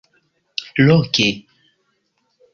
Loke.